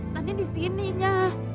tadi disini nya